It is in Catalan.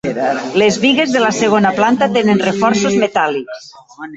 Les bigues de la segona planta tenen reforços metàl·lics.